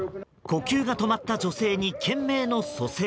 呼吸が止まった女性に懸命の蘇生。